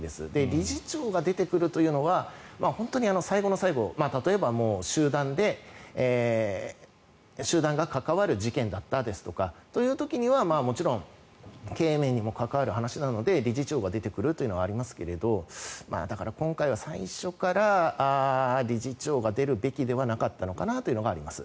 理事長が出てくるというのは本当に最後の最後例えば集団が関わる事件ですとかもちろん、経営面にも関わる話なので理事長が出てくるというのはありますけどだから、今回は最初から理事長が出るべきではなかったのかなというのがあります。